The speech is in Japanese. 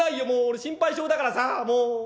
俺心配性だからさあもう。